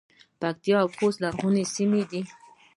پکتیا او خوست لرغونې سیمې دي